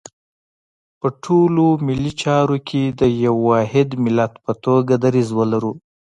په ټولو ملي چارو کې د یو واحد ملت په توګه دریځ ولرو.